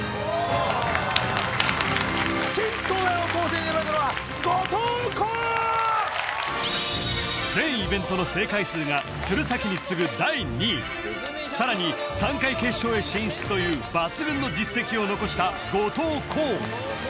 新東大王候補生に選ばれたのは後藤弘全イベントの正解数が鶴崎に次ぐ第２位さらに３回決勝へ進出という抜群の実績を残した後藤弘